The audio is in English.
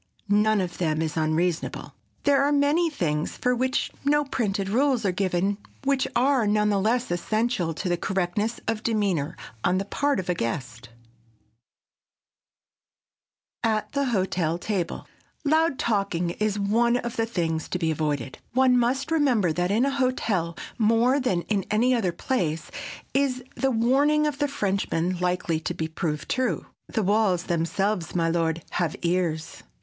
None of them is unreasonable. There are many things for which no printed rules are given which are none the less essential to the correctness of demeanor on the part of a guest. [Sidenote: AT THE HOTEL TABLE] Loud talking is one of the things to be avoided. One must remember that in a hotel more than in any other place is the warning of the Frenchman likely to be proved true,—"The walls themselves, my lord, have ears!"